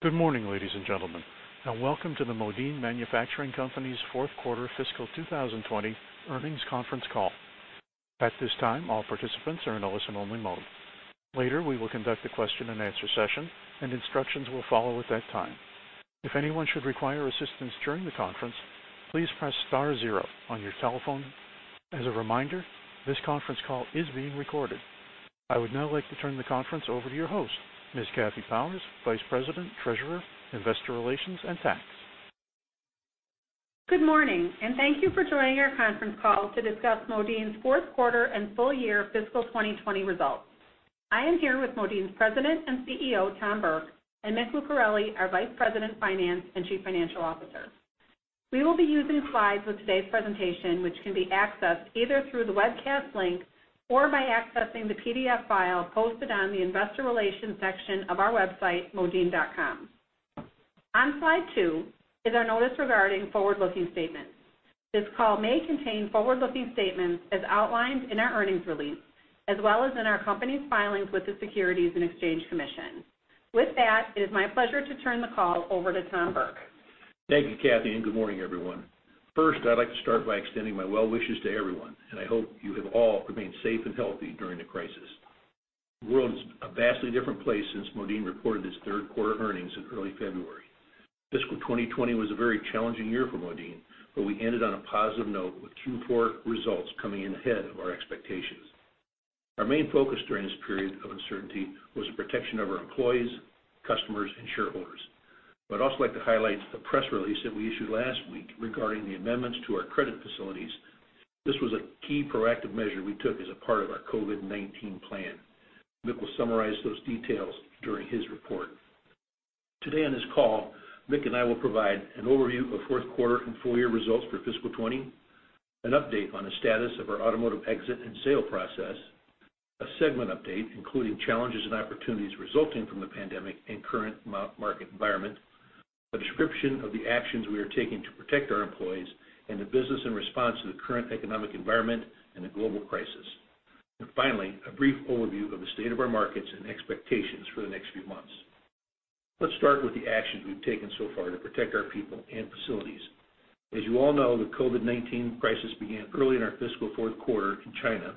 Good morning, ladies and gentlemen, and welcome to the Modine Manufacturing Company's fourth quarter fiscal 2020 earnings conference call. At this time, all participants are in a listen-only mode. Later, we will conduct a question-and-answer session, and instructions will follow at that time. If anyone should require assistance during the conference, please press star zero on your telephone. As a reminder, this conference call is being recorded. I would now like to turn the conference over to your host, Ms. Kathy Powers, Vice President, Treasurer, Investor Relations, and Tax. Good morning, and thank you for joining our conference call to discuss Modine's fourth quarter and full year fiscal 2020 results. I am here with Modine's President and CEO, Tom Burke, and Mick Lucarelli, our Vice President, Finance and Chief Financial Officer. We will be using slides with today's presentation, which can be accessed either through the webcast link or by accessing the PDF file posted on the Investor Relations section of our website, modine.com. On slide 2 is our notice regarding forward-looking statements. This call may contain forward-looking statements as outlined in our earnings release, as well as in our company's filings with the Securities and Exchange Commission. With that, it is my pleasure to turn the call over to Tom Burke. Thank you, Kathy, and good morning, everyone. First, I'd like to start by extending my well wishes to everyone, and I hope you have all remained safe and healthy during the crisis. The world is a vastly different place since Modine reported its third-quarter earnings in early February. Fiscal 2020 was a very challenging year for Modine, but we ended on a positive note, with Q4 results coming in ahead of our expectations. Our main focus during this period of uncertainty was the protection of our employees, customers, and shareholders. I'd also like to highlight the press release that we issued last week regarding the amendments to our credit facilities. This was a key proactive measure we took as a part of our COVID-19 plan. Mick will summarize those details during his report. Today on this call, Mick and I will provide an overview of fourth quarter and full-year results for fiscal 2020, an update on the status of our automotive exit and sale process, a segment update, including challenges and opportunities resulting from the pandemic and current market environment, a description of the actions we are taking to protect our employees and the business in response to the current economic environment and the global crisis, and finally, a brief overview of the state of our markets and expectations for the next few months. Let's start with the actions we've taken so far to protect our people and facilities. As you all know, the COVID-19 crisis began early in our fiscal fourth quarter in China,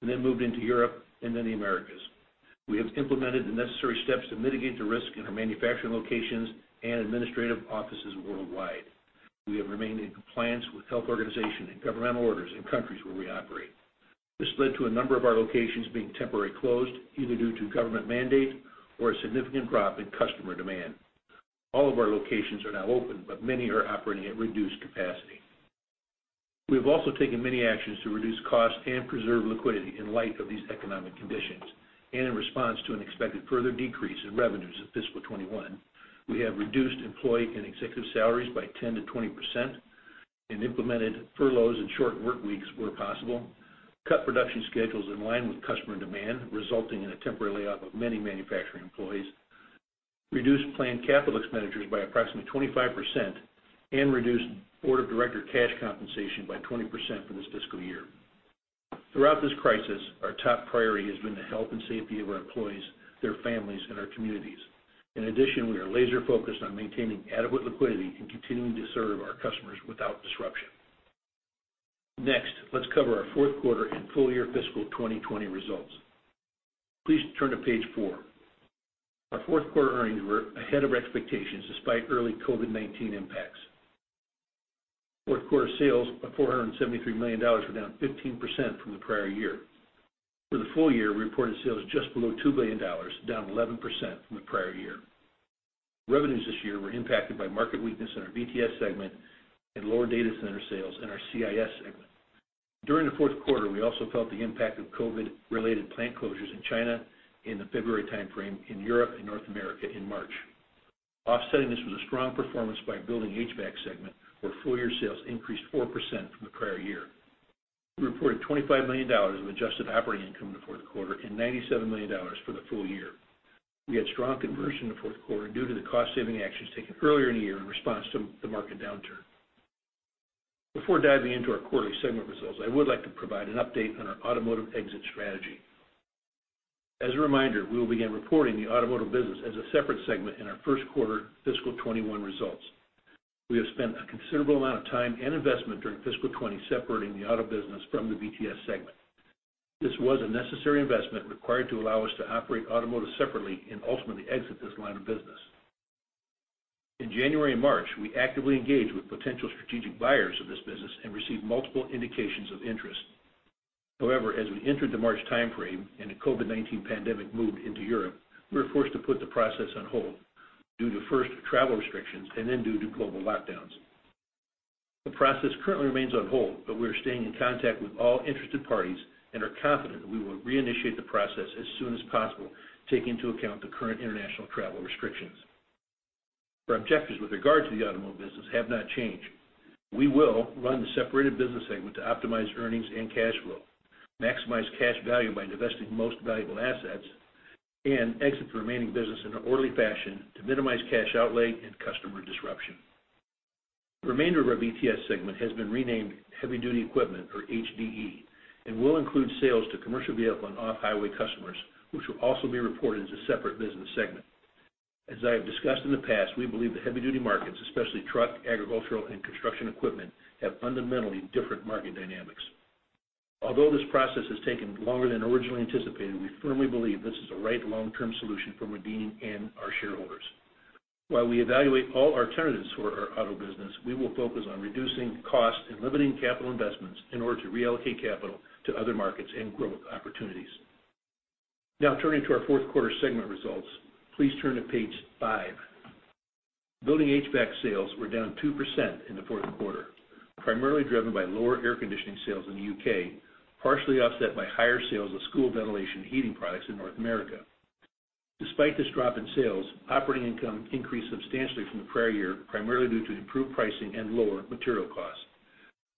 and then moved into Europe and then the Americas. We have implemented the necessary steps to mitigate the risk in our manufacturing locations and administrative offices worldwide. We have remained in compliance with health organization and governmental orders in countries where we operate. This led to a number of our locations being temporarily closed, either due to government mandate or a significant drop in customer demand. All of our locations are now open, but many are operating at reduced capacity. We have also taken many actions to reduce costs and preserve liquidity in light of these economic conditions and in response to an expected further decrease in revenues in fiscal 2021. We have reduced employee and executive salaries by 10%-20% and implemented furloughs and short workweeks where possible, cut production schedules in line with customer demand, resulting in a temporary layoff of many manufacturing employees, reduced planned capital expenditures by approximately 25%, and reduced board of director cash compensation by 20% for this fiscal year. Throughout this crisis, our top priority has been the health and safety of our employees, their families, and our communities. In addition, we are laser-focused on maintaining adequate liquidity and continuing to serve our customers without disruption. Next, let's cover our fourth quarter and full-year fiscal 2020 results. Please turn to page four. Our fourth quarter earnings were ahead of expectations, despite early COVID-19 impacts. Fourth quarter sales of $473 million were down 15% from the prior year. For the full year, we reported sales just below $2 billion, down 11% from the prior year. Revenues this year were impacted by market weakness in our VTS segment and lower data center sales in our CIS segment. During the fourth quarter, we also felt the impact of COVID-related plant closures in China in the February timeframe, in Europe and North America in March. Offsetting this was a strong performance by our Building HVAC segment, where full-year sales increased 4% from the prior year. We reported $25 million of adjusted operating income in the fourth quarter and $97 million for the full year. We had strong conversion in the fourth quarter due to the cost-saving actions taken earlier in the year in response to the market downturn. Before diving into our quarterly segment results, I would like to provide an update on our automotive exit strategy. As a reminder, we will begin reporting the automotive business as a separate segment in our first quarter fiscal 2021 results. We have spent a considerable amount of time and investment during fiscal 2020 separating the auto business from the VTS segment. This was a necessary investment required to allow us to operate automotive separately and ultimately exit this line of business. In January and March, we actively engaged with potential strategic buyers of this business and received multiple indications of interest. However, as we entered the March timeframe and the COVID-19 pandemic moved into Europe, we were forced to put the process on hold due to, first, travel restrictions and then due to global lockdowns. The process currently remains on hold, but we are staying in contact with all interested parties and are confident we will reinitiate the process as soon as possible, taking into account the current international travel restrictions. Our objectives with regard to the automotive business have not changed. We will run the separated business segment to optimize earnings and cash flow, maximize cash value by divesting most valuable assets, and exit the remaining business in an orderly fashion to minimize cash outlay and customer disruption. The remainder of our VTS segment has been renamed Heavy Duty Equipment, or HDE, and will include sales to commercial vehicle and off-highway customers, which will also be reported as a separate business segment. As I have discussed in the past, we believe the heavy-duty markets, especially truck, agricultural, and construction equipment, have fundamentally different market dynamics. Although this process has taken longer than originally anticipated, we firmly believe this is the right long-term solution for Modine and our shareholders. While we evaluate all alternatives for our auto business, we will focus on reducing costs and limiting capital investments in order to reallocate capital to other markets and growth opportunities. Now turning to our fourth quarter segment results. Please turn to page five. Building HVAC sales were down 2% in the fourth quarter, primarily driven by lower air conditioning sales in the U.K., partially offset by higher sales of school ventilation and heating products in North America. Despite this drop in sales, operating income increased substantially from the prior year, primarily due to improved pricing and lower material costs.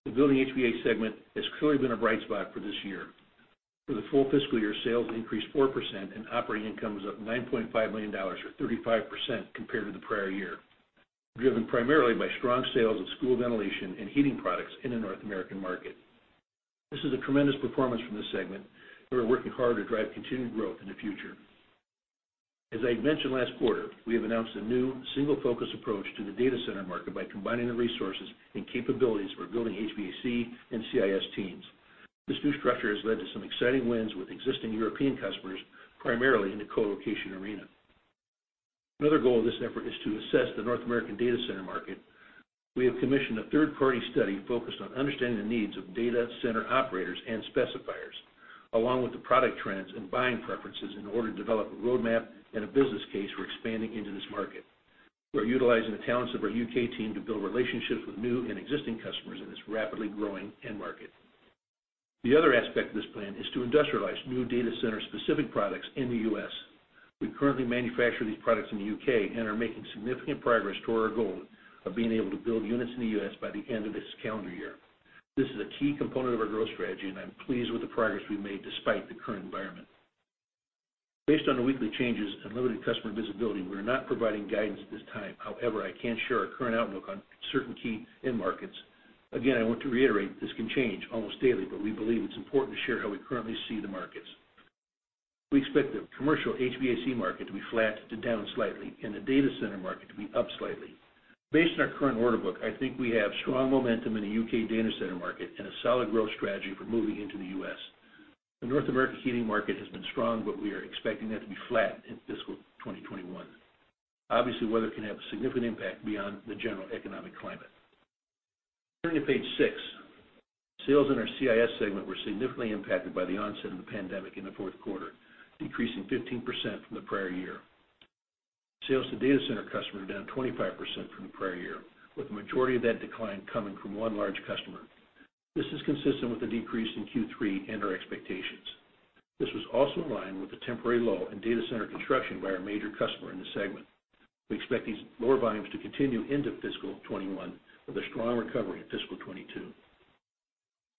The Building HVAC segment has clearly been a bright spot for this year. For the full fiscal year, sales increased 4% and operating income was up $9.5 million, or 35%, compared to the prior year, driven primarily by strong sales of school ventilation and heating products in the North American market. This is a tremendous performance from this segment. We are working hard to drive continued growth in the future. As I mentioned last quarter, we have announced a new, single-focused approach to the data center market by combining the resources and capabilities of our Building HVAC and CIS teams. This new structure has led to some exciting wins with existing European customers, primarily in the colocation arena. Another goal of this effort is to assess the North American data center market. We have commissioned a third-party study focused on understanding the needs of data center operators and specifiers, along with the product trends and buying preferences, in order to develop a roadmap and a business case for expanding into this market. We are utilizing the talents of our U.K. team to build relationships with new and existing customers in this rapidly growing end market. The other aspect of this plan is to industrialize new data center-specific products in the U.S. We currently manufacture these products in the U.K. and are making significant progress toward our goal of being able to build units in the U.S. by the end of this calendar year. This is a key component of our growth strategy, and I'm pleased with the progress we've made despite the current environment. Based on the weekly changes and limited customer visibility, we are not providing guidance at this time. However, I can share our current outlook on certain key end markets. Again, I want to reiterate this can change almost daily, but we believe it's important to share how we currently see the markets. We expect the commercial HVAC market to be flat to down slightly and the data center market to be up slightly. Based on our current order book, I think we have strong momentum in the UK data center market and a solid growth strategy for moving into the US. The North American heating market has been strong, but we are expecting that to be flat in fiscal 2021. Obviously, weather can have a significant impact beyond the general economic climate. Turning to page six, sales in our CIS segment were significantly impacted by the onset of the pandemic in the fourth quarter, decreasing 15% from the prior year. Sales to data center customers were down 25% from the prior year, with the majority of that decline coming from one large customer. This is consistent with the decrease in Q3 and our expectations. This was also in line with the temporary lull in data center construction by our major customer in this segment. We expect these lower volumes to continue into fiscal 2021, with a strong recovery in fiscal 2022.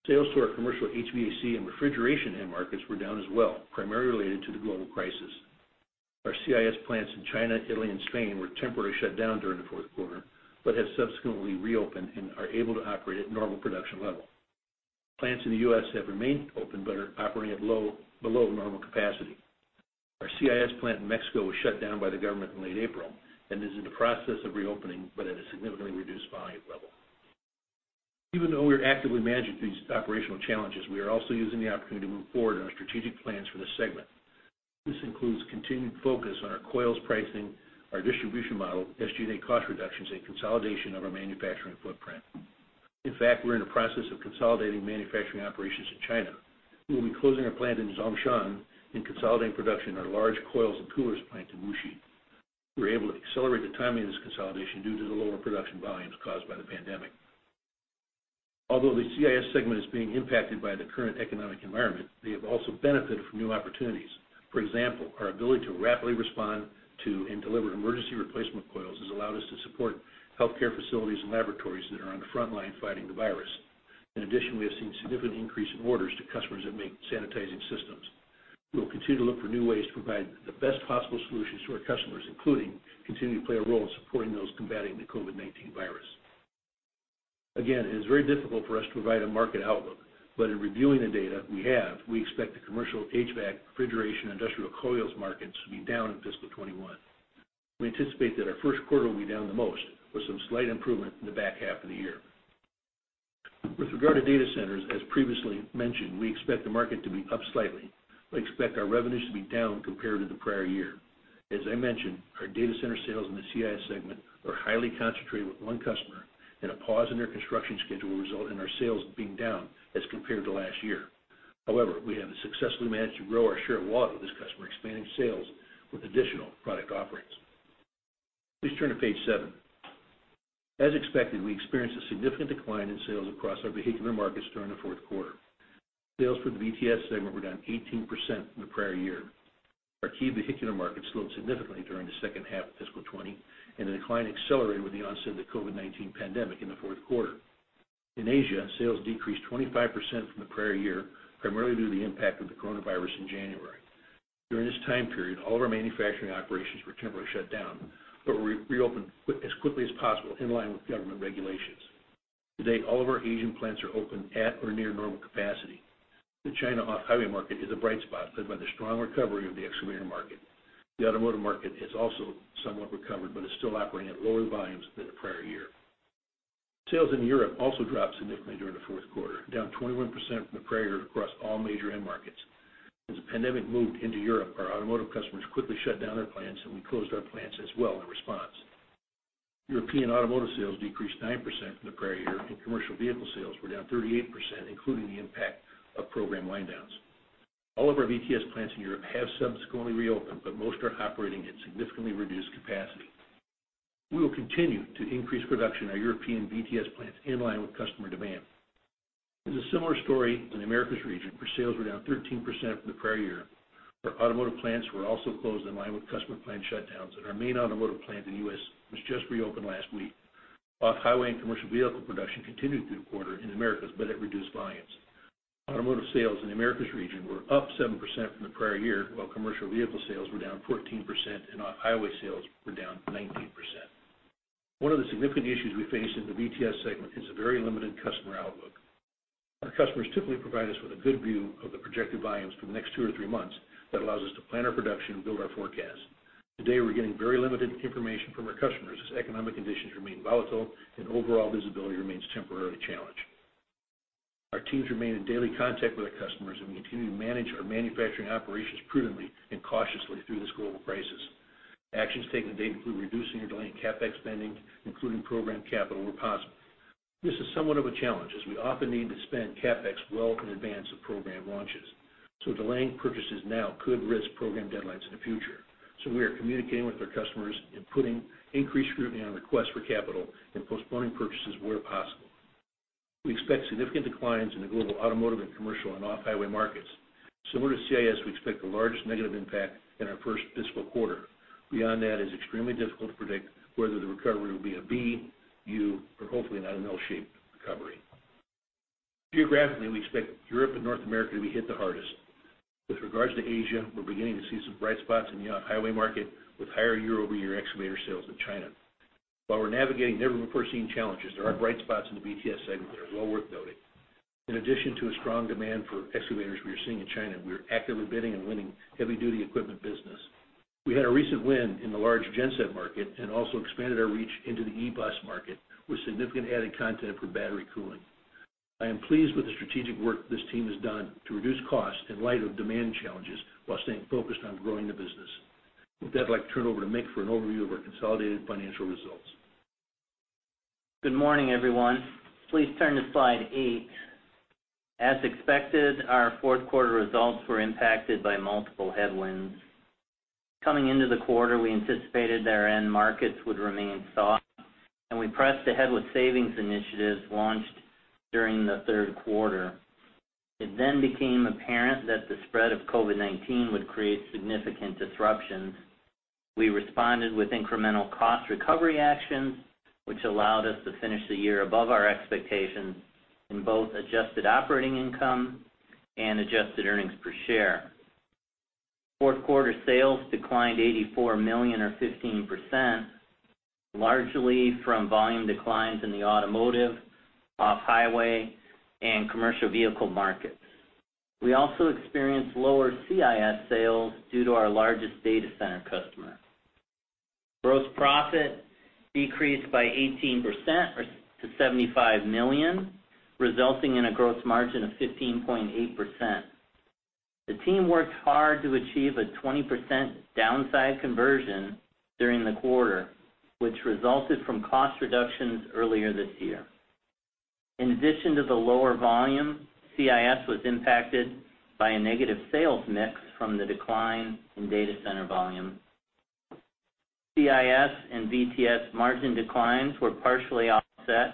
Sales to our commercial HVAC and refrigeration end markets were down as well, primarily related to the global crisis. Our CIS plants in China, Italy, and Spain were temporarily shut down during the fourth quarter, but have subsequently reopened and are able to operate at normal production level. Plants in the U.S. have remained open but are operating at below normal capacity. Our CIS plant in Mexico was shut down by the government in late April and is in the process of reopening, but at a significantly reduced volume level. Even though we are actively managing these operational challenges, we are also using the opportunity to move forward on our strategic plans for this segment. This includes continued focus on our coils pricing, our distribution model, SG&A cost reductions, and consolidation of our manufacturing footprint. In fact, we're in the process of consolidating manufacturing operations in China. We will be closing our plant in Zhongshan and consolidating production at our large coils and coolers plant in Wuxi. We're able to accelerate the timing of this consolidation due to the lower production volumes caused by the pandemic. Although the CIS segment is being impacted by the current economic environment, they have also benefited from new opportunities. For example, our ability to rapidly respond to and deliver emergency replacement coils has allowed us to support healthcare facilities and laboratories that are on the front line fighting the virus. In addition, we have seen significant increase in orders to customers that make sanitizing systems. We will continue to look for new ways to provide the best possible solutions to our customers, including continuing to play a role in supporting those combating the COVID-19 virus. Again, it is very difficult for us to provide a market outlook, but in reviewing the data we have, we expect the commercial HVAC, refrigeration, and industrial coils markets to be down in fiscal 2021. We anticipate that our first quarter will be down the most, with some slight improvement in the back half of the year. With regard to data centers, as previously mentioned, we expect the market to be up slightly. We expect our revenues to be down compared to the prior year. As I mentioned, our data center sales in the CIS segment are highly concentrated with one customer, and a pause in their construction schedule will result in our sales being down as compared to last year. However, we have successfully managed to grow our share of wallet with this customer, expanding sales with additional product offerings. Please turn to page 7. As expected, we experienced a significant decline in sales across our vehicular markets during the fourth quarter. Sales for the VTS segment were down 18% from the prior year. Our key vehicular markets slowed significantly during the second half of fiscal 2020, and the decline accelerated with the onset of the COVID-19 pandemic in the fourth quarter. In Asia, sales decreased 25% from the prior year, primarily due to the impact of the coronavirus in January. During this time period, all of our manufacturing operations were temporarily shut down, but we reopened quick, as quickly as possible, in line with government regulations. Today, all of our Asian plants are open at or near normal capacity. The China off-highway market is a bright spot, led by the strong recovery of the excavator market. The automotive market has also somewhat recovered, but is still operating at lower volumes than the prior year. Sales in Europe also dropped significantly during the fourth quarter, down 21% from the prior year across all major end markets. As the pandemic moved into Europe, our automotive customers quickly shut down their plants, and we closed our plants as well in response. European automotive sales decreased 9% from the prior year, and commercial vehicle sales were down 38%, including the impact of program wind downs. All of our VTS plants in Europe have subsequently reopened, but most are operating at significantly reduced capacity. We will continue to increase production at our European VTS plants in line with customer demand. It's a similar story in the Americas region, where sales were down 13% from the prior year. Our automotive plants were also closed in line with customer plant shutdowns, and our main automotive plant in the US was just reopened last week. Off-highway and commercial vehicle production continued through the quarter in Americas, but at reduced volumes. Automotive sales in the Americas region were up 7% from the prior year, while commercial vehicle sales were down 14% and off-highway sales were down 19%. One of the significant issues we face in the VTS segment is a very limited customer outlook. Our customers typically provide us with a good view of the projected volumes for the next two or three months that allows us to plan our production and build our forecast. Today, we're getting very limited information from our customers as economic conditions remain volatile and overall visibility remains temporarily challenged. Our teams remain in daily contact with our customers, and we continue to manage our manufacturing operations prudently and cautiously through this global crisis. Actions taken to date include reducing or delaying CapEx spending, including program capital, where possible. This is somewhat of a challenge, as we often need to spend CapEx well in advance of program launches, so delaying purchases now could risk program deadlines in the future. So we are communicating with our customers and putting increased scrutiny on requests for capital and postponing purchases where possible. We expect significant declines in the global automotive and commercial and off-highway markets. Similar to CIS, we expect the largest negative impact in our first fiscal quarter. Beyond that, it is extremely difficult to predict whether the recovery will be a V, U, or hopefully not an L-shaped recovery. Geographically, we expect Europe and North America to be hit the hardest. With regards to Asia, we're beginning to see some bright spots in the off-highway market, with higher year-over-year excavator sales in China. While we're navigating never-before-seen challenges, there are bright spots in the VTS segment that are well worth noting. In addition to a strong demand for excavators we are seeing in China, we are actively bidding and winning heavy-duty equipment business. We had a recent win in the large genset market and also expanded our reach into the e-bus market, with significant added content for battery cooling. I am pleased with the strategic work this team has done to reduce costs in light of demand challenges while staying focused on growing the business. With that, I'd like to turn it over to Mick for an overview of our consolidated financial results. Good morning, everyone. Please turn to Slide 8. As expected, our fourth quarter results were impacted by multiple headwinds. Coming into the quarter, we anticipated that our end markets would remain soft, and we pressed ahead with savings initiatives launched during the third quarter. It then became apparent that the spread of COVID-19 would create significant disruptions. We responded with incremental cost recovery actions, which allowed us to finish the year above our expectations in both adjusted operating income and adjusted earnings per share. Fourth quarter sales declined $84 million, or 15%, largely from volume declines in the automotive, off-highway, and commercial vehicle markets. We also experienced lower CIS sales due to our largest data center customer. Gross profit decreased by 18% or to $75 million, resulting in a gross margin of 15.8%. The team worked hard to achieve a 20% downside conversion during the quarter, which resulted from cost reductions earlier this year. In addition to the lower volume, CIS was impacted by a negative sales mix from the decline in data center volume. CIS and VTS margin declines were partially offset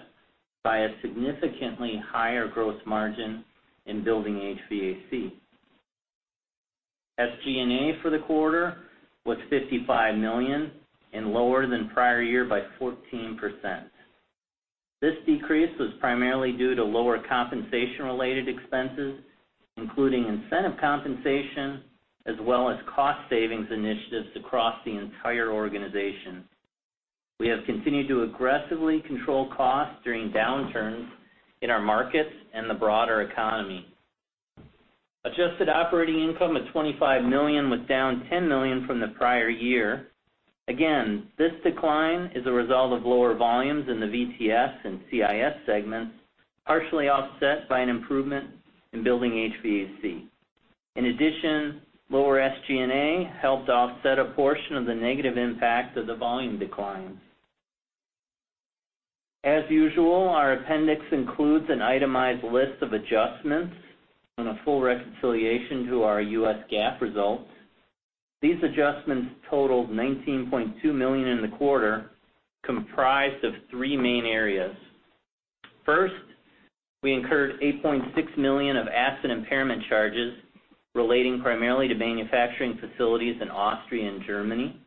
by a significantly higher gross margin in Building HVAC. SG&A for the quarter was $55 million and lower than prior year by 14%. This decrease was primarily due to lower compensation-related expenses, including incentive compensation, as well as cost savings initiatives across the entire organization. We have continued to aggressively control costs during downturns in our markets and the broader economy. Adjusted operating income of $25 million was down $10 million from the prior year. Again, this decline is a result of lower volumes in the VTS and CIS segments, partially offset by an improvement in Building HVAC. In addition, lower SG&A helped offset a portion of the negative impact of the volume declines. As usual, our appendix includes an itemized list of adjustments and a full reconciliation to our U.S. GAAP results. These adjustments totaled $19.2 million in the quarter, comprised of three main areas. First, we incurred $8.6 million of asset impairment charges relating primarily to manufacturing facilities in Austria and Germany.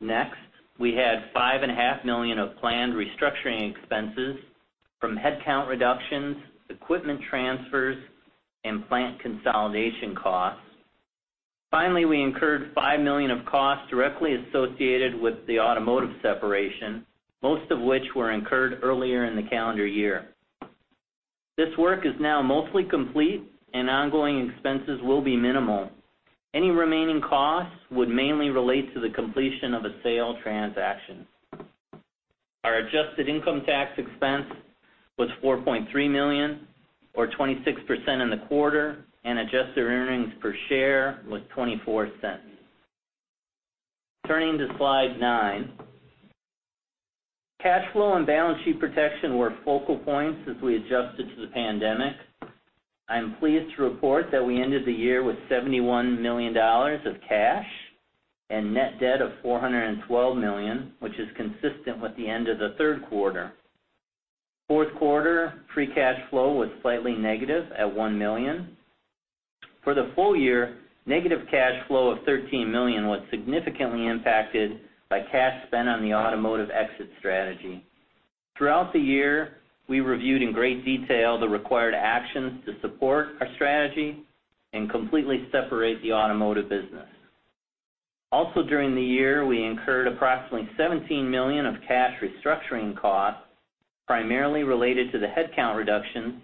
Next, we had $5.5 million of planned restructuring expenses from headcount reductions, equipment transfers, and plant consolidation costs. Finally, we incurred $5 million of costs directly associated with the automotive separation, most of which were incurred earlier in the calendar year. This work is now mostly complete, and ongoing expenses will be minimal. Any remaining costs would mainly relate to the completion of a sale transaction. Our adjusted income tax expense was $4.3 million, or 26% in the quarter, and adjusted earnings per share was $0.24. Turning to slide nine. Cash flow and balance sheet protection were focal points as we adjusted to the pandemic. I'm pleased to report that we ended the year with $71 million of cash and net debt of $412 million, which is consistent with the end of the third quarter. Fourth quarter free cash flow was slightly negative at $1 million. For the full year, negative cash flow of $13 million was significantly impacted by cash spent on the automotive exit strategy. Throughout the year, we reviewed in great detail the required actions to support our strategy and completely separate the automotive business. Also, during the year, we incurred approximately $17 million of cash restructuring costs, primarily related to the headcount reduction,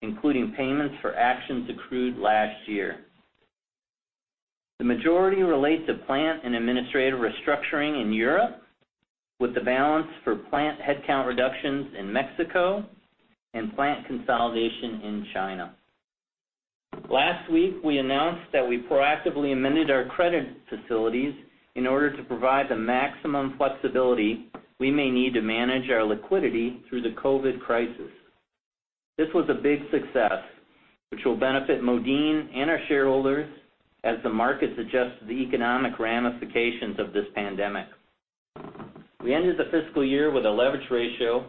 including payments for actions accrued last year. The majority relate to plant and administrative restructuring in Europe, with the balance for plant headcount reductions in Mexico and plant consolidation in China. Last week, we announced that we proactively amended our credit facilities in order to provide the maximum flexibility we may need to manage our liquidity through the COVID crisis. This was a big success, which will benefit Modine and our shareholders as the markets adjust to the economic ramifications of this pandemic. We ended the fiscal year with a leverage ratio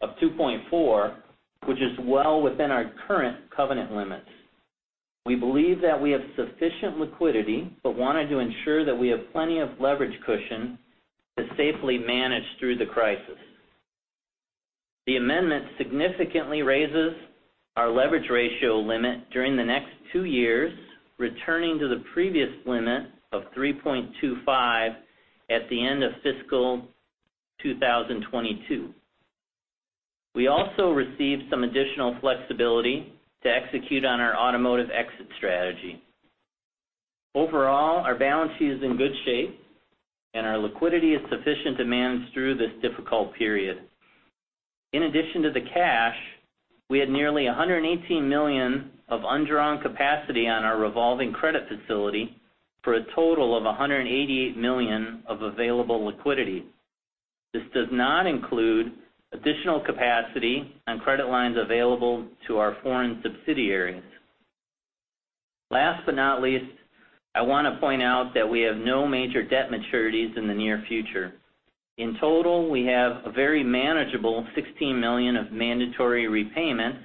of 2.4, which is well within our current covenant limits. We believe that we have sufficient liquidity, but wanted to ensure that we have plenty of leverage cushion to safely manage through the crisis. The amendment significantly raises our leverage ratio limit during the next 2 years, returning to the previous limit of 3.25 at the end of fiscal 2022. We also received some additional flexibility to execute on our automotive exit strategy. Overall, our balance sheet is in good shape, and our liquidity is sufficient to manage through this difficult period. In addition to the cash, we had nearly $118 million of undrawn capacity on our revolving credit facility for a total of $188 million of available liquidity. This does not include additional capacity on credit lines available to our foreign subsidiaries. Last but not least, I want to point out that we have no major debt maturities in the near future. In total, we have a very manageable $16 million of mandatory repayments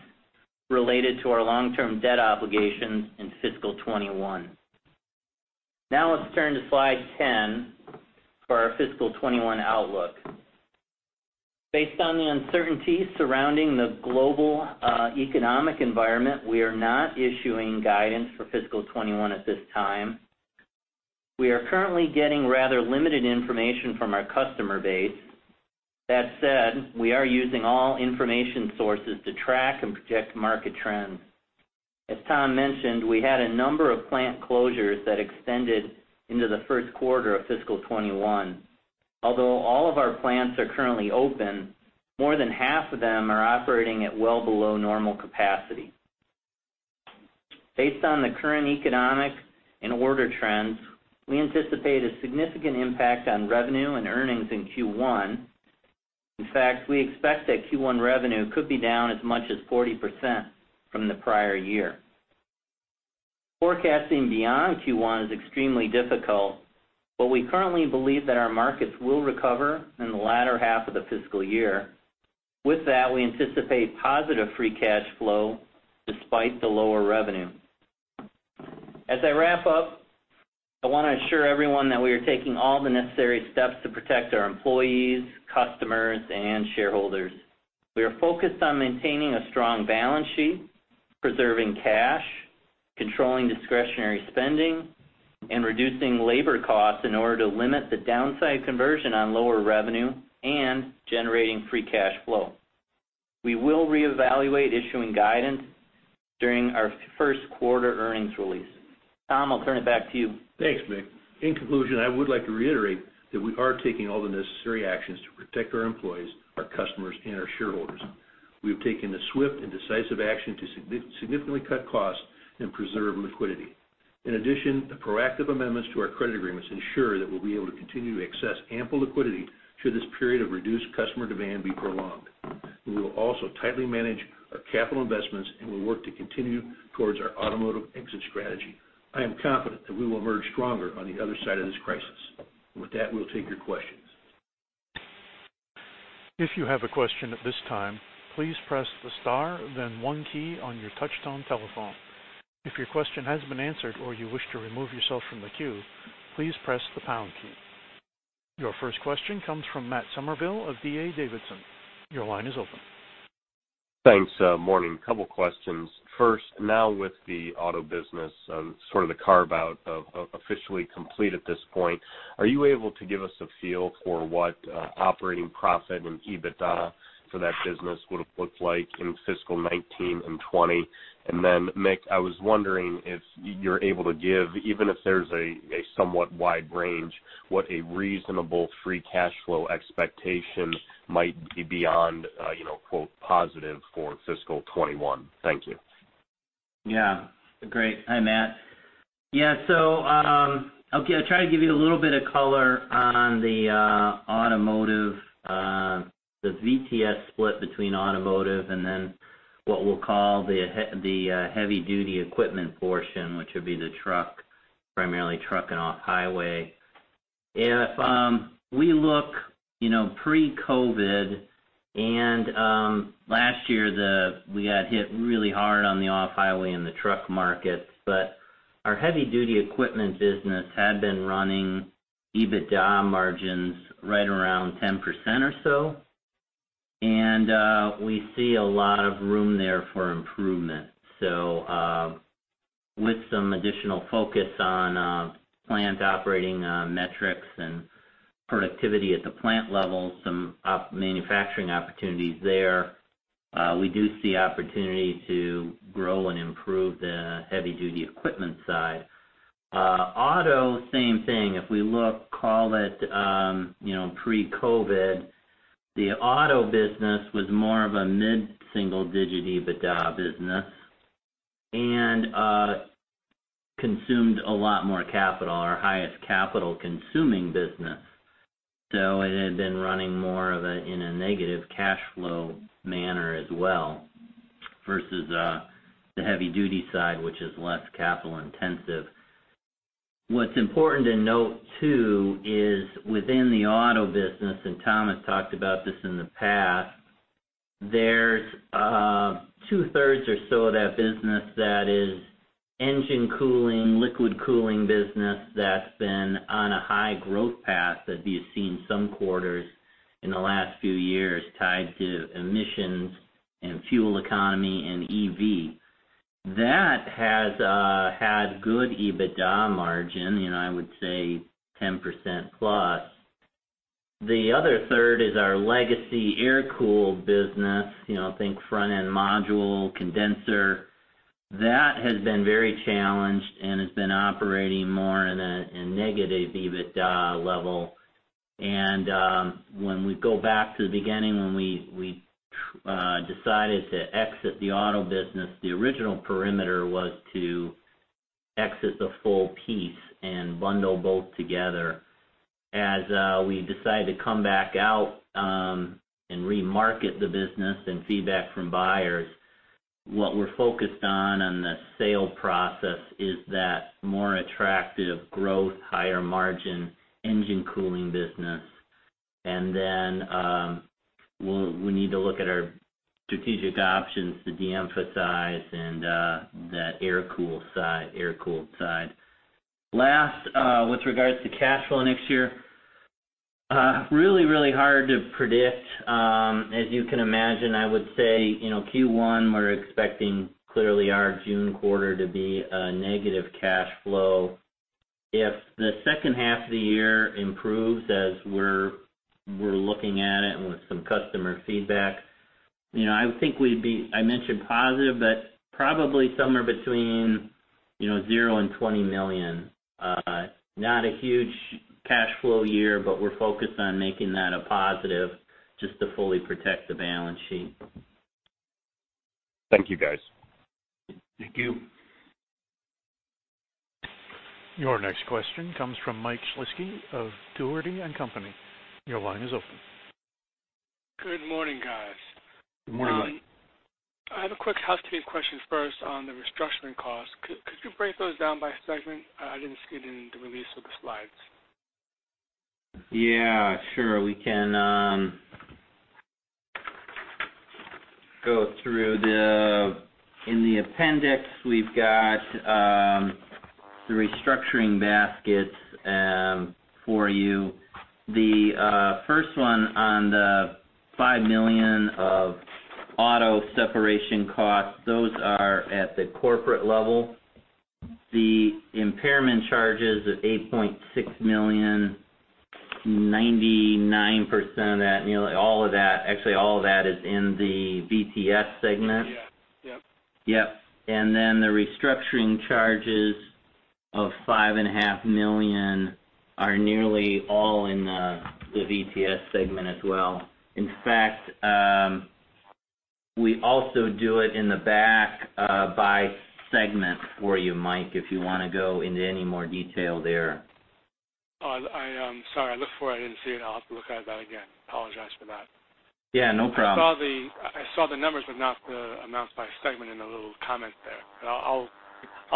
related to our long-term debt obligations in fiscal 2021. Now, let's turn to slide 10 for our fiscal 2021 outlook. Based on the uncertainty surrounding the global economic environment, we are not issuing guidance for fiscal 2021 at this time. We are currently getting rather limited information from our customer base. That said, we are using all information sources to track and project market trends. As Tom mentioned, we had a number of plant closures that extended into the first quarter of fiscal 2021. Although all of our plants are currently open, more than half of them are operating at well below normal capacity. Based on the current economic and order trends, we anticipate a significant impact on revenue and earnings in Q1. In fact, we expect that Q1 revenue could be down as much as 40% from the prior year. Forecasting beyond Q1 is extremely difficult, but we currently believe that our markets will recover in the latter half of the fiscal year. With that, we anticipate positive free cash flow despite the lower revenue. As I wrap up, I want to assure everyone that we are taking all the necessary steps to protect our employees, customers, and shareholders. We are focused on maintaining a strong balance sheet, preserving cash, controlling discretionary spending, and reducing labor costs in order to limit the downside conversion on lower revenue and generating free cash flow. We will reevaluate issuing guidance during our first quarter earnings release. Tom, I'll turn it back to you. Thanks, Mick. In conclusion, I would like to reiterate that we are taking all the necessary actions to protect our employees, our customers, and our shareholders. We have taken the swift and decisive action to significantly cut costs and preserve liquidity. In addition, the proactive amendments to our credit agreements ensure that we'll be able to continue to access ample liquidity should this period of reduced customer demand be prolonged. We will also tightly manage our capital investments, and we'll work to continue towards our automotive exit strategy. I am confident that we will emerge stronger on the other side of this crisis. With that, we'll take your questions.... If you have a question at this time, please press the star, then one key on your touch-tone telephone. If your question has been answered or you wish to remove yourself from the queue, please press the pound key. Your first question comes from Matt Summerville of D.A. Davidson. Your line is open. Thanks, morning. Couple questions. First, now with the auto business, sort of the carve-out of officially complete at this point, are you able to give us a feel for what operating profit and EBITDA for that business would have looked like in fiscal 2019 and 2020? And then, Mick, I was wondering if you're able to give, even if there's a somewhat wide range, what a reasonable free cash flow expectation might be beyond, you know, quote, "positive" for fiscal 2021. Thank you. Yeah, great. Hi, Matt. Yeah, so, okay, I'll try to give you a little bit of color on the, automotive, the VTS split between automotive and then what we'll call the heavy duty equipment portion, which would be the truck, primarily truck and off highway. If we look, you know, pre-COVID and last year, we got hit really hard on the off highway and the truck markets. But our heavy duty equipment business had been running EBITDA margins right around 10% or so, and we see a lot of room there for improvement. So, with some additional focus on plant operating metrics and productivity at the plant level, some manufacturing opportunities there, we do see opportunity to grow and improve the heavy duty equipment side. Auto, same thing. If we look, call it, you know, pre-COVID, the auto business was more of a mid-single digit EBITDA business and consumed a lot more capital, our highest capital consuming business. So it had been running more of a, in a negative cash flow manner as well, versus the heavy duty side, which is less capital intensive. What's important to note, too, is within the auto business, and Tom talked about this in the past, there's two-thirds or so of that business that is engine cooling, liquid cooling business that's been on a high growth path, that we have seen some quarters in the last few years tied to emissions and fuel economy and EV. That has had good EBITDA margin, and I would say 10% plus. The other third is our legacy air-cooled business, you know, think front-end module, condenser. That has been very challenged and has been operating more in a, in negative EBITDA level. When we go back to the beginning, when we decided to exit the auto business, the original perimeter was to exit the full piece and bundle both together. As we decided to come back out, and remarket the business and feedback from buyers, what we're focused on, on the sale process is that more attractive growth, higher margin, engine cooling business. And then, we'll, we need to look at our strategic options to de-emphasize and, that air-cooled side, air-cooled side. Last, with regards to cash flow next year, really, really hard to predict. As you can imagine, I would say, you know, Q1, we're expecting clearly our June quarter to be a negative cash flow. If the second half of the year improves as we're looking at it and with some customer feedback, you know, I think we'd be, I mentioned positive, but probably somewhere between, you know, $0 and $20 million. Not a huge cash flow year, but we're focused on making that a positive just to fully protect the balance sheet. Thank you, guys. Thank you. Your next question comes from Mike Schlisky of Dougherty & Company. Your line is open. Good morning, guys. Good morning. I have a quick housekeeping question first on the restructuring costs. Could you break those down by segment? I didn't see it in the release of the slides. Yeah, sure. We can go through in the appendix, we've got the restructuring baskets for you. The first one on the $5 million of auto separation costs, those are at the corporate level. The impairment charges of $8.6 million, 99% of that, nearly all of that, actually, all of that is in the VTS segment. Yes. Yep. Yep. And then the restructuring charges of $5.5 million are nearly all in the VTS segment as well. In fact, we also do it in the back by segment for you, Mike, if you want to go into any more detail there. Sorry, I looked for it, I didn't see it. I'll have to look at that again. I apologize for that. Yeah, no problem. I saw the numbers, but not the amounts by segment in the little comment there. But I'll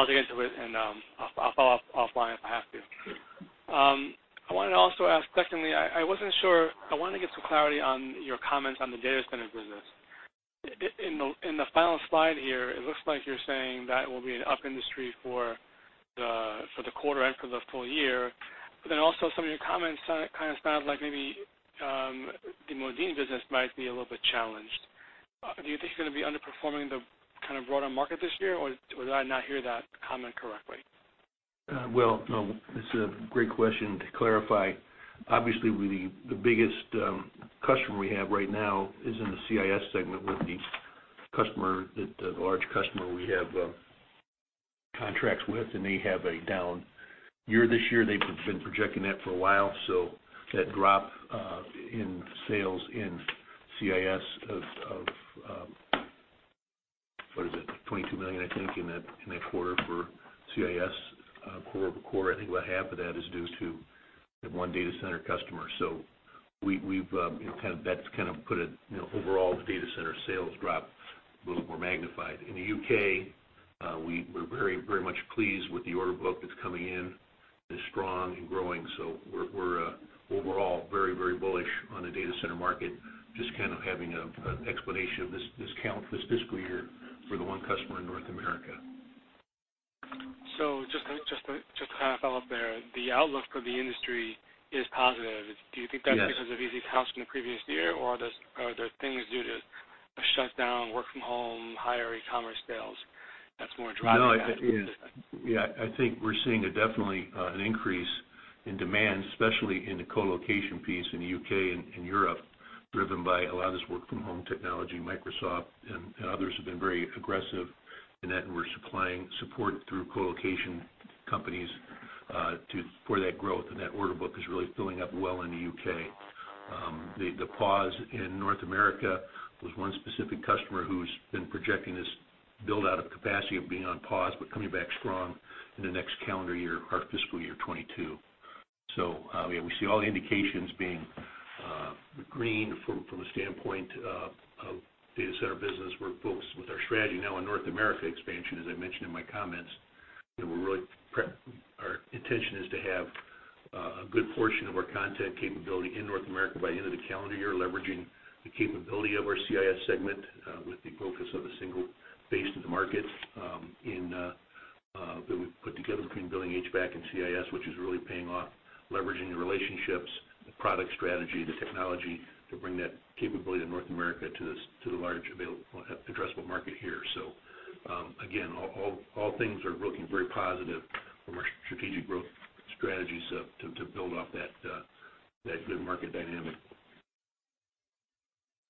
dig into it, and I'll follow up offline if I have to. I wanted to also ask secondly. I wasn't sure. I wanted to get some clarity on your comments on the data center business. In the final slide here, it looks like you're saying that will be an up industry for the quarter and for the full year. But then also some of your comments sound kind of like maybe the Modine business might be a little bit challenged. Do you think you're gonna be underperforming the kind of broader market this year, or did I not hear that comment correctly? Well, no, it's a great question to clarify. Obviously, the biggest customer we have right now is in the CIS segment with the customer, the large customer we have contracts with, and they have a down year this year. They've been projecting that for a while. So that drop in sales in CIS of what is it? $22 million, I think, in that quarter for CIS, quarter-over-quarter. I think about half of that is due to the one data center customer. So we've, you know, kind of, that's kind of put a, you know, overall, the data center sales drop a little more magnified. In the UK, we're very, very much pleased with the order book that's coming in, is strong and growing. So we're overall very, very bullish on the data center market, just kind of having an explanation of this fiscal year for the one customer in North America. So just to follow up there, the outlook for the industry is positive. Yes. Do you think that's because of easy comps from the previous year, or are there, are there things due to a shutdown, work from home, higher e-commerce sales that's more driving that? No, it is. Yeah, I think we're seeing a definitely an increase in demand, especially in the colocation piece in the U.K. and Europe, driven by a lot of this work from home technology. Microsoft and others have been very aggressive in that, and we're supplying support through colocation companies for that growth. And that order book is really filling up well in the U.K. The pause in North America was one specific customer who's been projecting this build out of capacity of being on pause, but coming back strong in the next calendar year, our fiscal year 2022. So, yeah, we see all the indications being green from a standpoint of data center business. We're focused with our strategy now on North America expansion, as I mentioned in my comments. And we're really our intention is to have a good portion of our content capability in North America by the end of the calendar year, leveraging the capability of our CIS segment, with the focus of a single base in the market, in that we've put together between Building HVAC and CIS, which is really paying off, leveraging the relationships, the product strategy, the technology to bring that capability to North America, to the large addressable market here. So, again, all, all, all things are looking very positive from our strategic growth strategies, to build off that, that good market dynamic.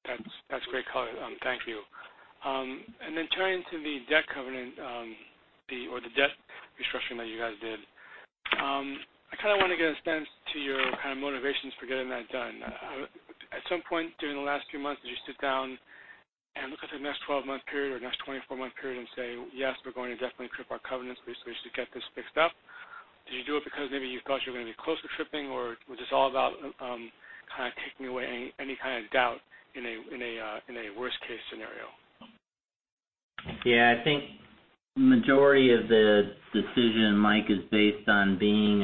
That's, that's great color. Thank you. And then turning to the debt covenant, or the debt restructuring that you guys did. I kind of want to get a sense to your, kind of, motivations for getting that done. At some point during the last few months, did you sit down and look at the next 12-month period or next 24-month period and say, "Yes, we're going to definitely trip our covenants. We just need to get this fixed up"? Did you do it because maybe you thought you were going to be closer to tripping, or was this all about, kind of, taking away any, any kind of doubt in a, in a, in a worst-case scenario? Yeah, I think the majority of the decision, Mike, is based on being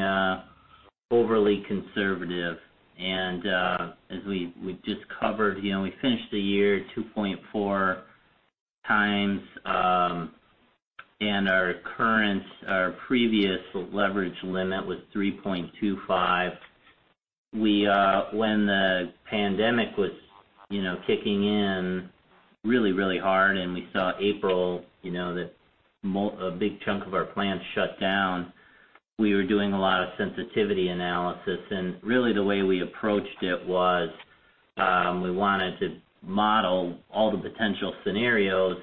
overly conservative. As we just covered, you know, we finished the year 2.4 times, and our current, our previous leverage limit was 3.25. When the pandemic was, you know, kicking in really, really hard, and we saw April, you know, a big chunk of our plants shut down, we were doing a lot of sensitivity analysis. Really, the way we approached it was we wanted to model all the potential scenarios.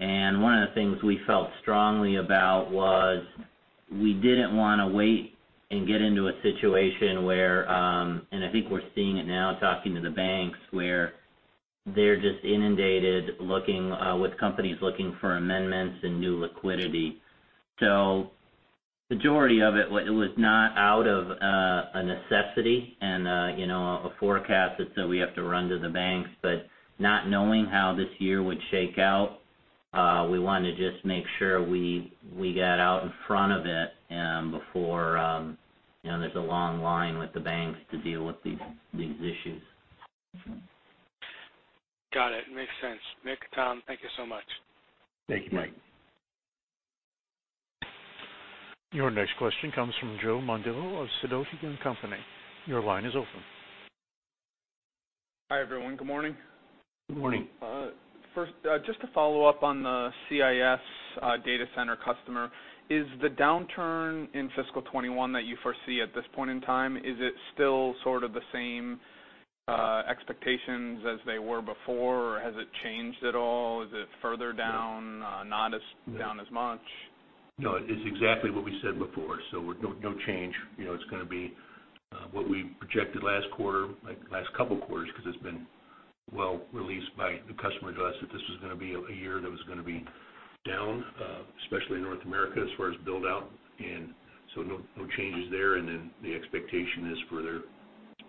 One of the things we felt strongly about was we didn't wanna wait and get into a situation where, and I think we're seeing it now, talking to the banks, where they're just inundated with companies looking for amendments and new liquidity. So majority of it was not out of a necessity and you know a forecast that so we have to run to the banks. But not knowing how this year would shake out, we wanted to just make sure we got out in front of it before you know there's a long line with the banks to deal with these issues. Got it. Makes sense. Mick, Tom, thank you so much. Thank you, Mike. Your next question comes from Joe Mondillo of Sidoti & Company. Your line is open. Hi, everyone. Good morning. Good morning. First, just to follow up on the CIS data center customer, is the downturn in fiscal 2021 that you foresee at this point in time, is it still sort of the same expectations as they were before, or has it changed at all? Is it further down, not as down as much? No, it's exactly what we said before, so we're, no, no change. You know, it's gonna be what we projected last quarter, like last couple of quarters, because it's been well released by the customer to us, that this was gonna be a year that was gonna be down, especially in North America, as far as build out. And so no, no changes there. And then the expectation is for their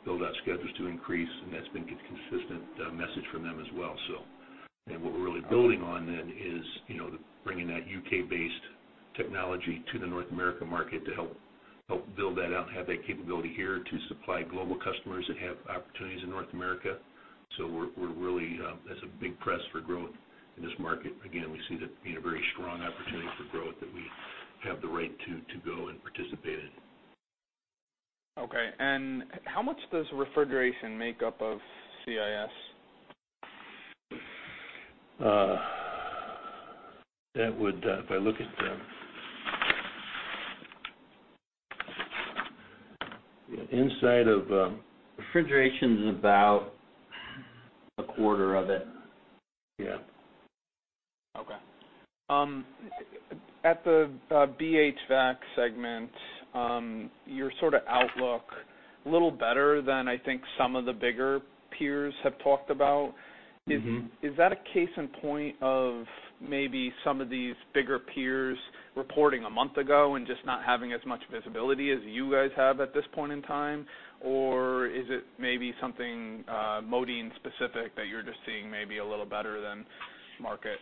build out schedules to increase, and that's been a consistent message from them as well, so. And what we're really building on then is, you know, the bringing that U.K.-based technology to the North America market to help build that out and have that capability here to supply global customers that have opportunities in North America. So we're really that's a big push for growth in this market. Again, we see that being a very strong opportunity for growth that we have the right to go and participate in. Okay. And how much does refrigeration make up of CIS? That would, if I look at the inside of, Refrigeration is about a quarter of it. Yeah. Okay. At the Building HVAC segment, your sort of outlook, a little better than I think some of the bigger peers have talked about. Mm-hmm. Is that a case in point of maybe some of these bigger peers reporting a month ago and just not having as much visibility as you guys have at this point in time? Or is it maybe something, Modine specific that you're just seeing maybe a little better than market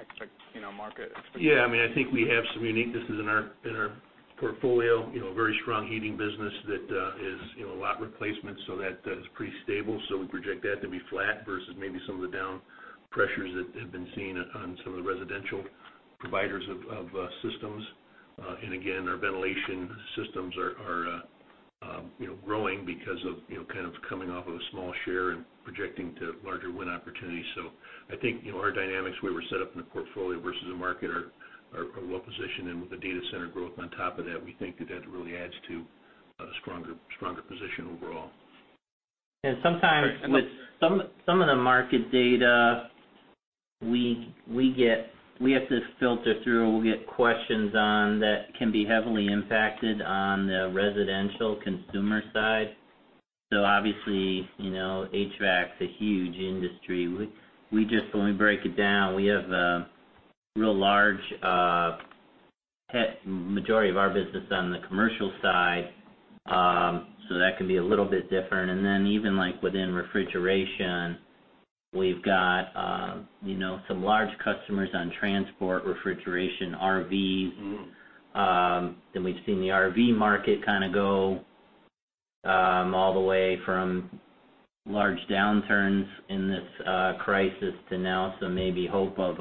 expect- you know, market expectations? Yeah, I mean, I think we have some uniqueness in our, in our portfolio, you know, a very strong heating business that, is, you know, a lot replacement, so that, is pretty stable. So we project that to be flat versus maybe some of the down pressures that have been seen on some of the residential providers of, of, systems. And again, our ventilation systems are, are, you know, growing because of, you know, kind of coming off of a small share and projecting to larger win opportunities. So I think, you know, our dynamics, way we're set up in the portfolio versus the market are, are well positioned. And with the data center growth on top of that, we think that that really adds to a stronger, stronger position overall. And sometimes, with some of the market data, we get – we have to filter through, and we'll get questions on that can be heavily impacted on the residential consumer side. So obviously, you know, HVAC is a huge industry. We just – when we break it down, we have a real large majority of our business on the commercial side, so that can be a little bit different. And then even, like, within refrigeration, we've got, you know, some large customers on transport, refrigeration, RV. Mm-hmm. Then we've seen the RV market kind of go all the way from large downturns in this crisis to now, so maybe hope of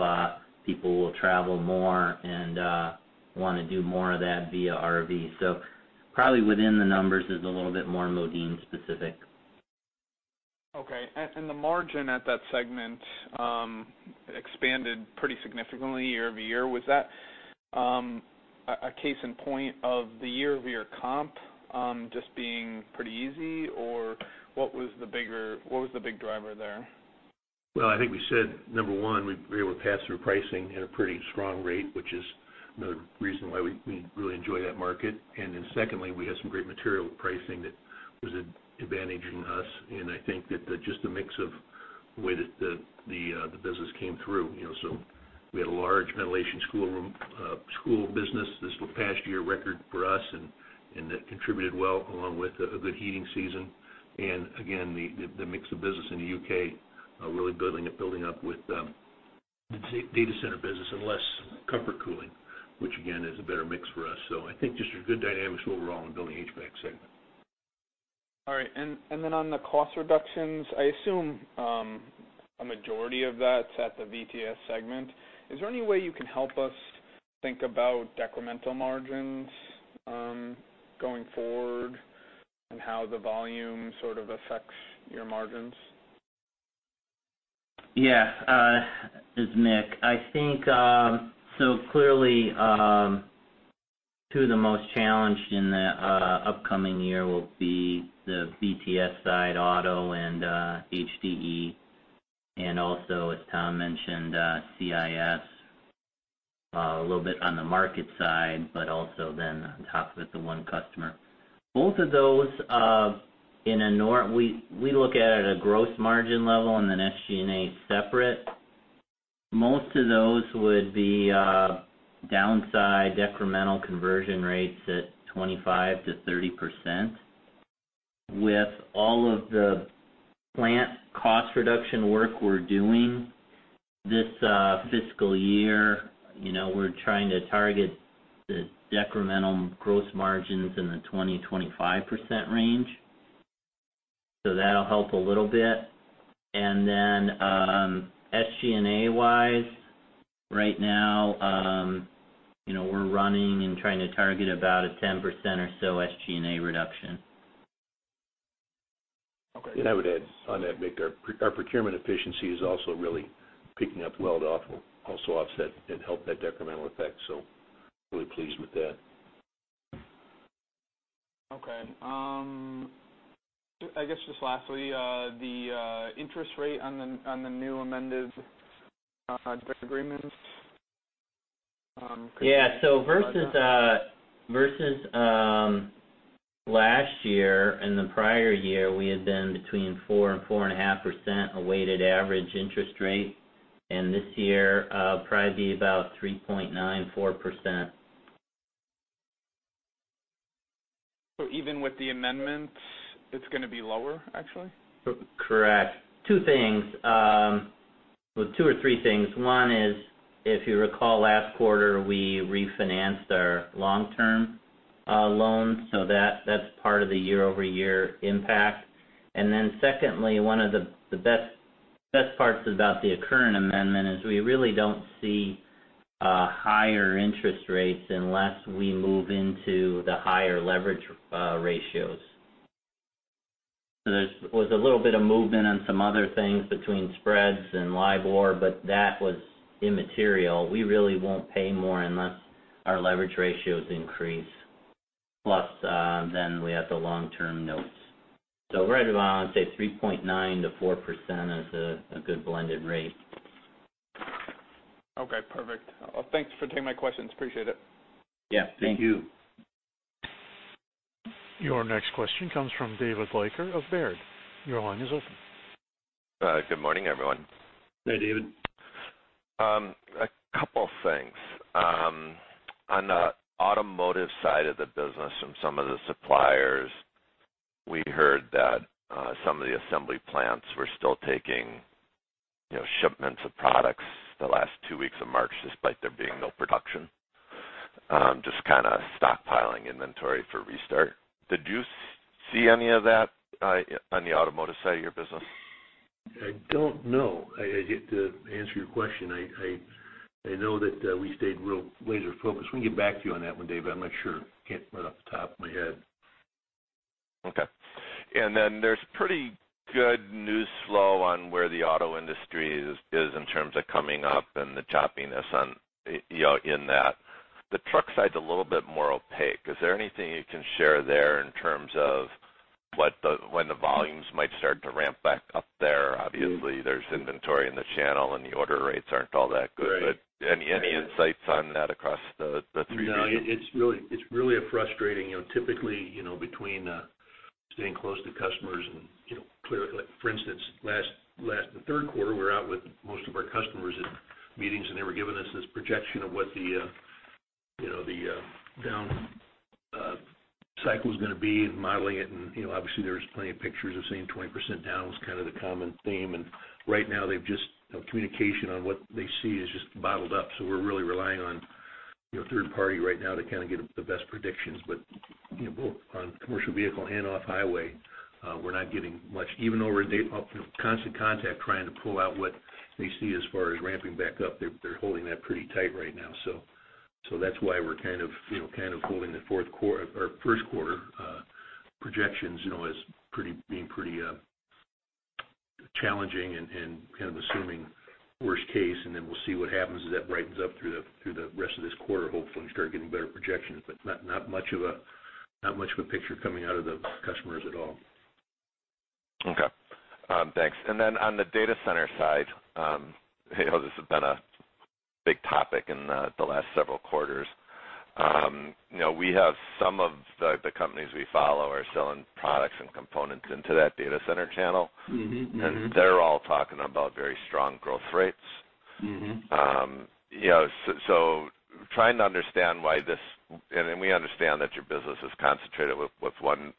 people will travel more and want to do more of that via RV. So probably within the numbers is a little bit more Modine specific. Okay. And the margin at that segment expanded pretty significantly year-over-year. Was that a case in point of the year-over-year comp just being pretty easy, or what was the bigger—what was the big driver there? Well, I think we said, number one, we were able to pass through pricing at a pretty strong rate, which is another reason why we really enjoy that market. And then secondly, we had some great material pricing that was advantaging us, and I think that just the mix, the way that the business came through. You know, so we had a large ventilation schoolroom school business. This was a past year record for us, and that contributed well, along with a good heating season. And again, the mix of business in the UK really building up with data center business and less comfort cooling, which again, is a better mix for us. So I think just your good dynamics overall in Building HVAC segment. All right. And then on the cost reductions, I assume, a majority of that's at the VTS segment. Is there any way you can help us think about decremental margins, going forward and how the volume sort of affects your margins? Yeah. It's Mick. I think, so clearly, two of the most challenged in the upcoming year will be the VTS side, auto and HDE, and also, as Tom mentioned, CIS, a little bit on the market side, but also then on top of it, the one customer. Both of those, we, we look at it a gross margin level and then SG&A separate. Most of those would be downside decremental conversion rates at 25%-30%. With all of the plant cost reduction work we're doing this fiscal year, you know, we're trying to target the decremental gross margins in the 20%-25% range. So that'll help a little bit. And then, SG&A-wise, right now, you know, we're running and trying to target about a 10% or so SG&A reduction. Okay. I would add on that, Mick, our procurement efficiency is also really picking up well to also offset and help that decremental effect, so really pleased with that. Okay, I guess, just lastly, the interest rate on the new amended debt agreements, could you? Yeah. So versus last year and the prior year, we had been between 4% and 4.5%, a weighted average interest rate. And this year, probably be about 3.9%-4%.... So even with the amendments, it's gonna be lower, actually? Correct. Two things, well, two or three things. One is, if you recall, last quarter, we refinanced our long-term loan, so that's part of the year-over-year impact. And then secondly, one of the best parts about the current amendment is we really don't see higher interest rates unless we move into the higher leverage ratios. So there was a little bit of movement on some other things between spreads and LIBOR, but that was immaterial. We really won't pay more unless our leverage ratios increase, plus then we have the long-term notes. So right around, say, 3.9%-4% is a good blended rate. Okay, perfect. Thanks for taking my questions. Appreciate it. Yeah. Thank you. Your next question comes from David Leiker of Baird. Your line is open. Good morning, everyone. Hey, David. A couple things. On the automotive side of the business, from some of the suppliers, we heard that some of the assembly plants were still taking, you know, shipments of products the last two weeks of March, despite there being no production, just kind of stockpiling inventory for restart. Did you see any of that on the automotive side of your business? I don't know. I get to answer your question. I know that we stayed real laser-focused. We can get back to you on that one, Dave. I'm not sure. Can't right off the top of my head. Okay. And then there's pretty good news flow on where the auto industry is in terms of coming up and the choppiness on, you know, in that. The truck side's a little bit more opaque. Is there anything you can share there in terms of what, when the volumes might start to ramp back up there? Obviously, there's inventory in the channel, and the order rates aren't all that good. Right. Any insights on that across the three years? No, it's really, it's really a frustrating... You know, typically, you know, between staying close to customers and, you know, clear—for instance, last, the third quarter, we were out with most of our customers in meetings, and they were giving us this projection of what the, you know, the down cycle is gonna be and modeling it. And, you know, obviously, there was plenty of pictures of saying 20% down was kind of the common theme. And right now, they've just, you know, communication on what they see is just bottled up, so we're really relying on, you know, third party right now to kind of get the best predictions. But, you know, both on commercial vehicle and off-highway, we're not getting much, even though we're in constant contact, trying to pull out what they see as far as ramping back up. They're holding that pretty tight right now. So that's why we're kind of, you know, kind of holding the fourth quarter or first quarter projections, you know, as being pretty challenging and kind of assuming worst case, and then we'll see what happens as that brightens up through the rest of this quarter, hopefully, and start getting better projections. But not much of a picture coming out of the customers at all. Okay. Thanks. And then on the data center side, you know, this has been a big topic in the last several quarters. You know, we have some of the companies we follow are selling products and components into that data center channel. Mm-hmm. Mm-hmm. They're all talking about very strong growth rates. Mm-hmm. You know, so trying to understand why this... And we understand that your business is concentrated with one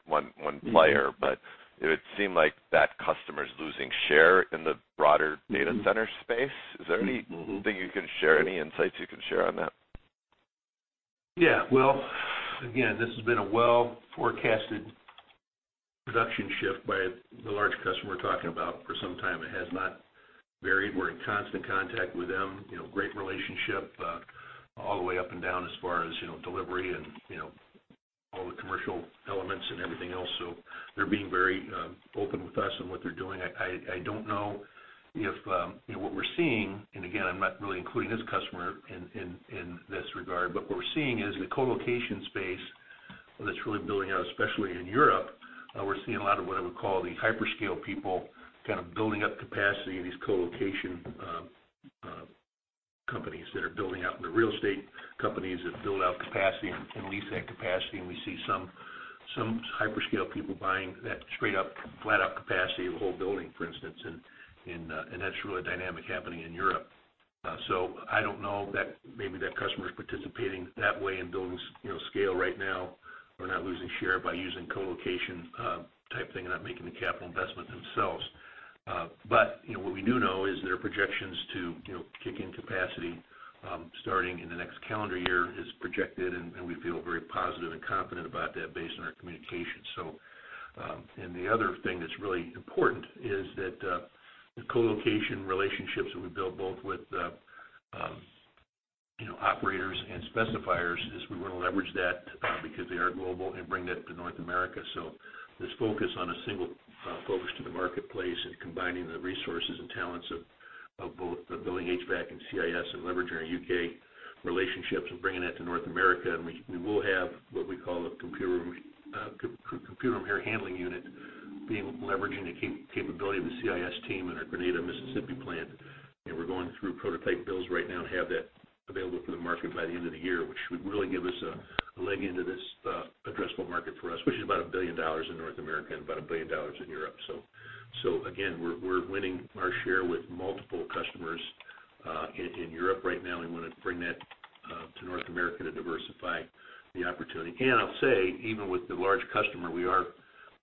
player. Mm-hmm. but it would seem like that customer is losing share in the broader- Mm-hmm data center space. Mm-hmm. Is there anything you can share, any insights you can share on that? Yeah. Well, again, this has been a well-forecasted production shift by the large customer we're talking about for some time. It has not varied. We're in constant contact with them, you know, great relationship, all the way up and down as far as, you know, delivery and, you know, all the commercial elements and everything else. So they're being very open with us on what they're doing. I don't know if, you know, what we're seeing, and again, I'm not really including this customer in this regard, but what we're seeing is, in the colocation space that's really building out, especially in Europe, we're seeing a lot of what I would call the hyperscale people, kind of building up capacity in these colocation companies that are building out in the real estate, companies that build out capacity and can lease that capacity. And we see some hyperscale people buying that straight-up, flat-out capacity of a whole building, for instance. And that's really a dynamic happening in Europe. So I don't know that maybe that customer is participating that way and building, you know, scale right now or not losing share by using colocation type thing and not making the capital investment themselves. But, you know, what we do know is their projections to, you know, kick in capacity, starting in the next calendar year is projected, and we feel very positive and confident about that based on our communications. So, and the other thing that's really important is that, the colocation relationships that we've built, both with, you know, operators and specifiers, is we want to leverage that, because they are global, and bring that to North America. So this focus on a single focus to the marketplace and combining the resources and talents of both the Building HVAC and CIS and leveraging our UK relationships and bringing that to North America, and we will have what we call a computer room computer room air handling unit, leveraging the capability of the CIS team in our Grenada, Mississippi plant. And we're going through prototype builds right now and have that available to the market by the end of the year, which would really give us a leg into this addressable market for colocation, about $1 billion in North America and about $1 billion in Europe. So again, we're winning our share with multiple customers in Europe right now. We wanna bring that to North America to diversify the opportunity. And I'll say, even with the large customer, we are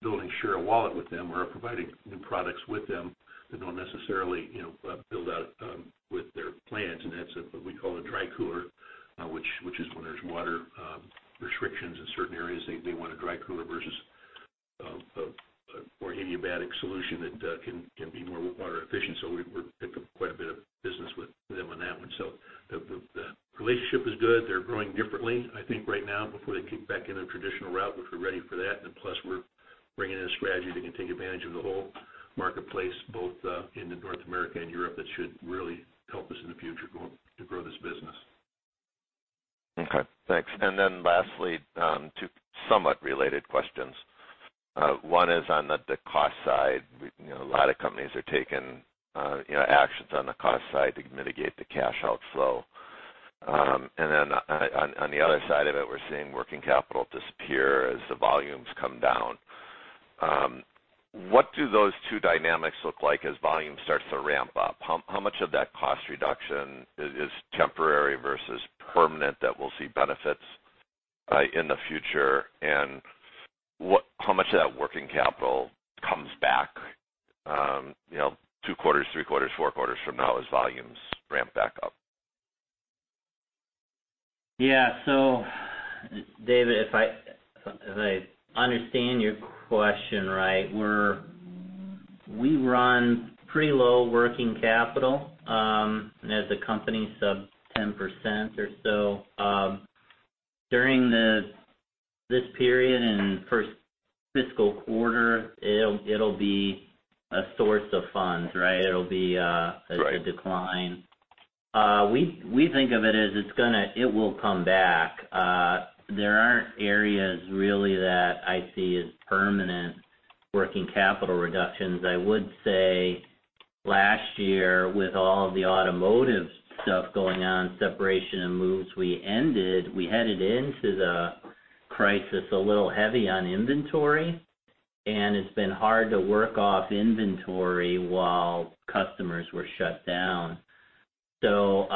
building share of wallet with them. We're providing new products with them that don't necessarily, you know, build out with their plans, and that's what we call a dry cooler, which is when there's water restrictions in certain areas, they want a dry cooler versus a more adiabatic solution that can be more water efficient. So we're picking up quite a bit of business with them on that one. So the relationship is good. They're growing differently, I think, right now, before they kick back in a traditional route, which we're ready for that. And plus, we're bringing in a strategy that can take advantage of the whole marketplace, both in North America and Europe. That should really help us in the future grow, to grow this business. Okay, thanks. And then lastly, two somewhat related questions. One is on the cost side. You know, a lot of companies are taking actions on the cost side to mitigate the cash outflow. And then, on the other side of it, we're seeing working capital disappear as the volumes come down. What do those two dynamics look like as volume starts to ramp up? How much of that cost reduction is temporary versus permanent, that we'll see benefits in the future? And how much of that working capital comes back, you know, two quarters, three quarters, four quarters from now as volumes ramp back up? Yeah. So, David, if I, if I understand your question right, we're, we run pretty low working capital as a company, sub 10% or so. During this period and first fiscal quarter, it'll, it'll be a source of funds, right? It'll be, Right. a decline. We think of it as it's gonna – it will come back. There aren't areas really that I see as permanent working capital reductions. I would say last year, with all the automotive stuff going on, separation and moves, we headed into the crisis a little heavy on inventory, and it's been hard to work off inventory while customers were shut down. So,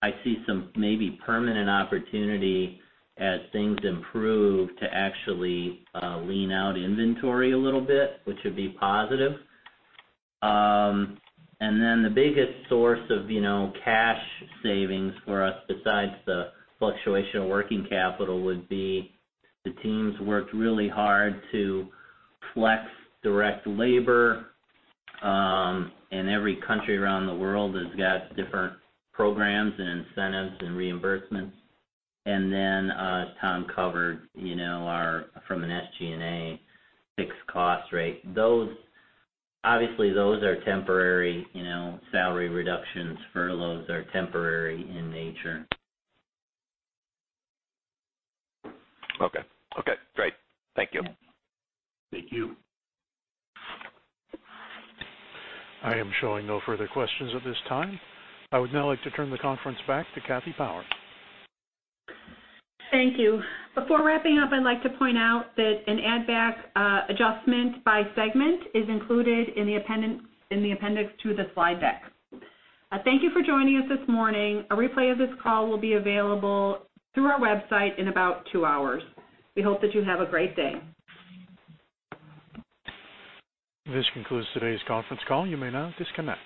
I see some maybe permanent opportunity as things improve, to actually lean out inventory a little bit, which would be positive. And then the biggest source of, you know, cash savings for us, besides the fluctuation of working capital, would be the teams worked really hard to flex direct labor. And every country around the world has got different programs and incentives and reimbursements. And then, as Tom covered, you know, our, from an SG&A fixed cost rate, those, obviously, those are temporary. You know, salary reductions, furloughs are temporary in nature. Okay. Okay, great. Thank you. Thank you. I am showing no further questions at this time. I would now like to turn the conference back to Kathy Powers. Thank you. Before wrapping up, I'd like to point out that an add back, adjustment by segment is included in the appendix, in the appendix to the slide deck. Thank you for joining us this morning. A replay of this call will be available through our website in about two hours. We hope that you have a great day. This concludes today's conference call. You may now disconnect.